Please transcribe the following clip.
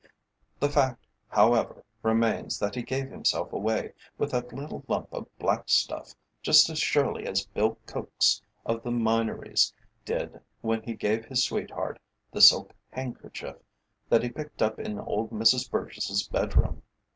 The fact, however, remains that he gave himself away with that little lump of black stuff, just as surely as Bill Coakes of the Minories did when he gave his sweetheart the silk handkerchief that he picked up in old Mrs Burgiss's bedroom.